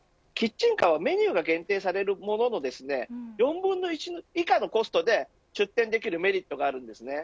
キッチンカーはメニューが限定されるものの４分の１以下のコストで出店できるメリットがあります。